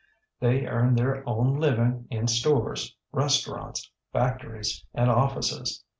They earn their own living in stores, restaurants, factories, and offices.